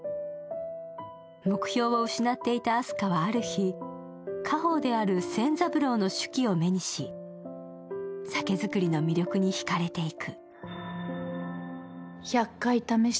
目標を失っていた明日香はある日家宝である仙三郎の手記を目にし、酒作りの魅力にひかれていく。